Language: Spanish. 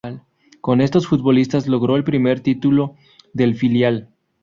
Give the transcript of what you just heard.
Con estos futbolistas logró el primer título del filial.